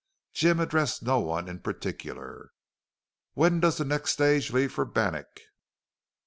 Jim addressed no one in particular. "When does the next stage leave for Bannack?"